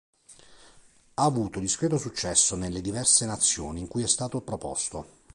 Ha avuto discreto successo nelle diverse nazioni in cui è stato proposto.